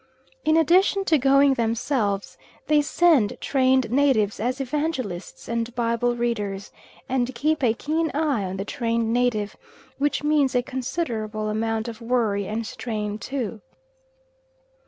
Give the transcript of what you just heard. In addition to going themselves, they send trained natives as evangelists and Bible readers, and keep a keen eye on the trained native, which means a considerable amount of worry and strain too.